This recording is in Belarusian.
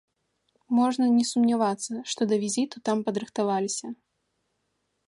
Можна не сумнявацца, што да візіту там падрыхтаваліся.